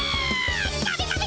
ダメダメ！